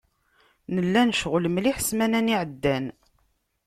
Nella necɣel mliḥ ssmana-nni iεeddan.